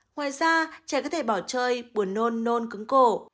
ngoài ra trẻ có thể bỏ chơi buồn nôn nôn cứng cổ